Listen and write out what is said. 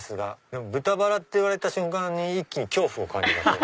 でも豚バラって言われたら一気に恐怖を感じました。